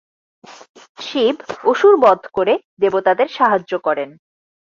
শিব অসুর বধ করে দেবতাদের সাহায্য করেন।